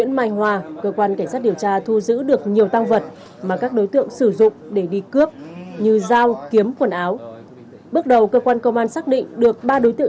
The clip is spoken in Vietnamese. tại cơ quan công an các đối tượng đã khai nhận toàn bộ hành vi phạm tội